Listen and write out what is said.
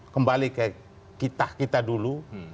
kembali ke kita kita dulu